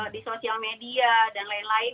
di sosial media dan lain lain